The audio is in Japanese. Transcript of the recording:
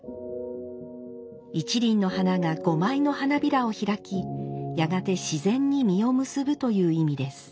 一輪の花が五枚の花びらを開きやがて自然に実を結ぶという意味です。